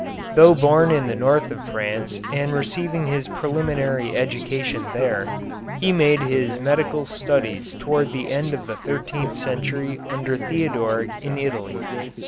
Though born in the north of France and receiving his preliminary education there, he made his medical studies towards the end of the thirteenth century under Theodoric in Italy.